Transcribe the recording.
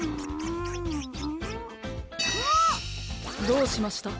どうしました？